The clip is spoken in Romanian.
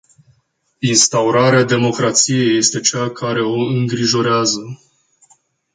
Instaurarea democrației este cea care o îngrijorează.